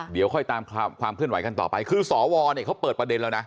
เดี๋ยวค่อยตามความเคลื่อนไหวกันต่อไปคือสวเนี่ยเขาเปิดประเด็นแล้วนะ